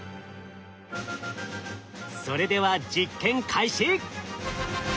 それでは実験開始！